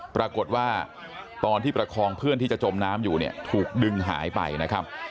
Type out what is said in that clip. ปรากฏว่าตอนที่ประคองเพื่อนที่จะจมน้ำอยู่เนี่ยถูกดึงหายไปนะครับ